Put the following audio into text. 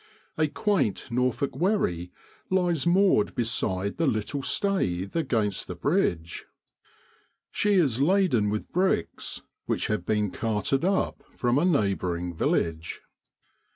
A quaint Norfolk wherry lies moored beside the little staith against the bridge. She is laden with bricks, which have been carted up from a neighbouring village.